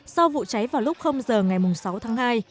sau vụ cháy vào lúc giờ ngày sáu tháng hai